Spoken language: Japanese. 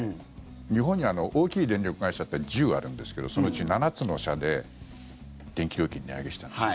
日本には大きい電力会社って１０あるんですけどそのうち７つの社で電気料金、値上げしたんです。